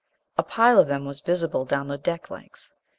A pile of them was visible down the deck length.